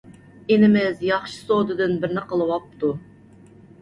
ئىنىمىز ياخشى سودىدىن بىرنى قىلىۋاپتۇ.